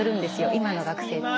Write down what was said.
今の学生って。